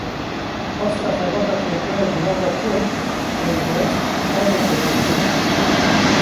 Asta xebata tevgera civaka kurd, veguhest qadek bilindtir